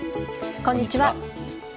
こんにちは。